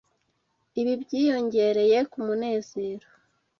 Ibi byiyongereye kumunezero.